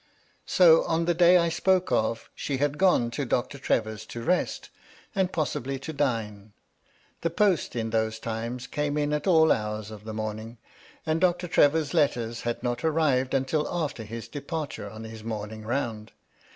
So, on the day I spoke of, she had gone to Doctor Trevor s to rest, and possibly to dine. The post in those times came in at all hours of the morning ; and Doctor Trevor's letters had not arrived until after his departure on his morning round.